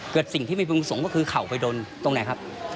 เกิดสิ่งที่ไม่พึงประสงค์ก็คือเข่าไปโดนตรงไหนครับ